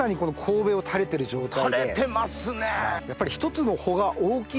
垂れてますね！